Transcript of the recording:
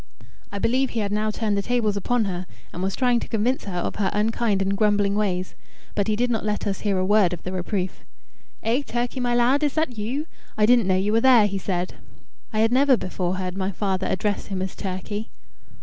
I believe he had now turned the tables upon her, and was trying to convince her of her unkind and grumbling ways. But he did not let us hear a word of the reproof. "Eh! Turkey, my lad! is that you? I didn't know you were there," he said. I had never before heard my father address him as Turkey.